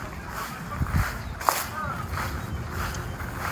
د دلارام ولسوالي د مېړانې او سخاوت کور دی